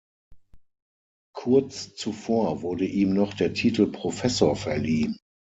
Kurz zuvor wurde ihm noch der Titel Professor verliehen.